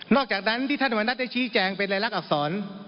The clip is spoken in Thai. อกจากนั้นที่ท่านธรรมนัฐได้ชี้แจงเป็นรายลักษณอักษร